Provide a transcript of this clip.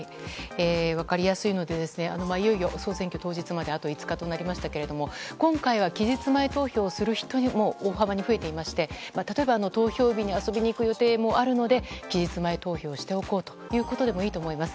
分かりやすいのでいよいよ総選挙当日まであと５日となりましたが今回は期日前投票する人も大幅に増えていまして例えば、投票日に遊びに行く予定もあるので期日前投票しておこうということでもいいと思います。